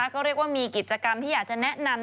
ก็เรียกว่ามีกิจกรรมที่อยากจะแนะนำ